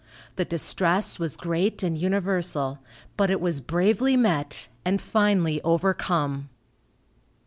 The distress was great and universal, but it was bravely met, and finally overcome.